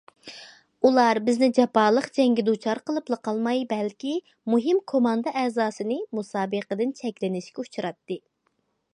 ئۇلار بىزنى جاپالىق جەڭگە دۇچار قىلىپلا قالماي بەلكى مۇھىم كوماندا ئەزاسىنى مۇسابىقىدىن چەكلىنىشكە ئۇچراتتى.